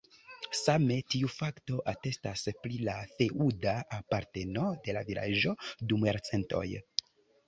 Same tiu fakto atestas pri la feŭda aparteno de la vilaĝo dum jarcentoj.